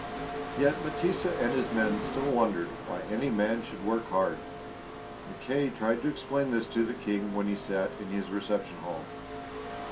Yet M'tesa and his men still wondered why any man should work hard. Mackay tried to explain this to the King when he sat in his reception hall.